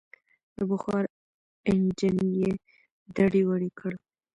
د بخار انجن یې دړې وړې کړ.